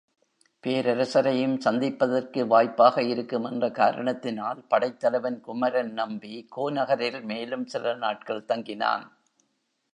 பேரரசரையும் சந்திப்பதற்கு வாய்ப்பாக இருக்குமென்ற காரணத்தினால் படைத் தலைவன் குமரன் நம்பி கோநகரில் மேலும் சில நாட்கள் தங்கினான்.